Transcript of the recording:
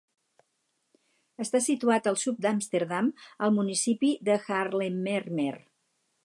Està situat al sud d'Amsterdam, al municipi de Haarlemmermeer.